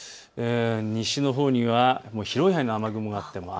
西のほうには広い範囲、雨雲がかかっています。